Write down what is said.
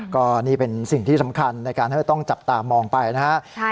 ก็นี่เป็นสิ่งที่สำคัญในการที่จะต้องจับตามองไปนะครับ